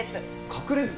隠れる？